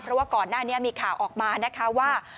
เพราะว่าก่อนหน้านี้มีข่าวออกมานะคะว่า